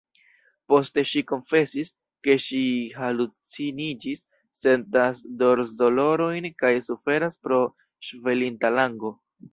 Poste ŝi konfesis, ke ŝi haluciniĝis, sentas dorsdolorojn kaj suferas pro ŝvelinta lango.